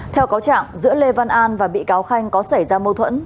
theo cáo trạng giữa lê văn an và bị cáo khanh có xảy ra mâu thuẫn